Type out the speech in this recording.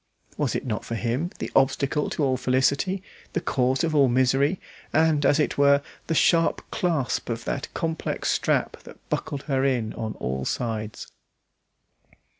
Was it not for him, the obstacle to all felicity, the cause of all misery, and, as it were, the sharp clasp of that complex strap that bucked her in on all sides.